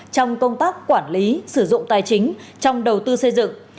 trong công tác quản lý sử dụng tài chính trong đầu tư xây dựng